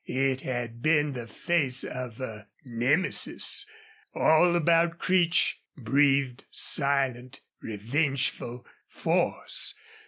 It had been the face of a Nemesis. All about Creech breathed silent, revengeful force.